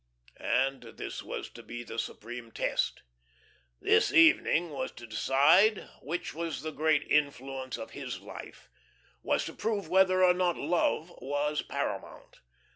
And this was to be the supreme test. This evening was to decide which was the great influence of his life was to prove whether or not love was paramount.